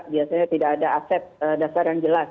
biasanya tidak ada aset dasar yang jelas